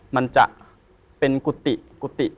มันจะเป็นกุฏิกุฏิ